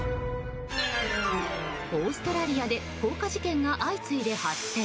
オーストラリアで放火事件が相次いで発生。